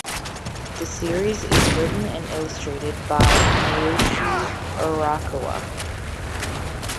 The series is written and illustrated by Naoshi Arakawa.